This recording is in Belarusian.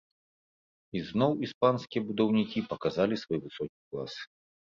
І зноў іспанскія будаўнікі паказалі свой высокі клас.